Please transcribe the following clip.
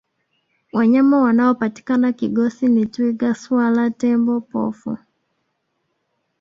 wanyama wanaopatikana kigosi ni twiga swala tembo pofu